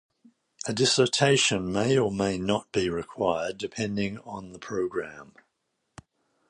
A dissertation may or may not be required, depending on the program.